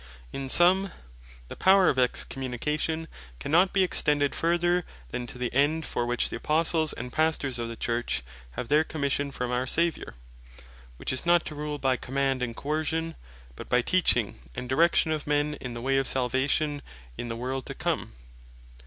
In summe, the Power of Excommunication cannot be extended further than to the end for which the Apostles and Pastors of the Church have their Commission from our Saviour; which is not to rule by Command and Coaction, but by Teaching and Direction of men in the way of Salvation in the world to come.